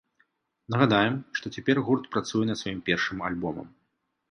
Нагадаем, што цяпер гурт працуе над сваім першым альбомам.